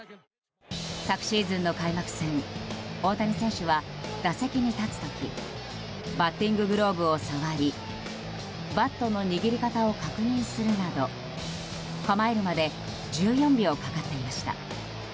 昨シーズンの開幕戦大谷選手は打席に立つ時バッティンググローブを触りバットの握り方を確認するなど構えるまで１４秒かかっていました。